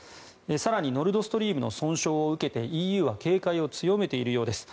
更に、ノルドストリームの損傷を受けてＥＵは警戒を強めているようです。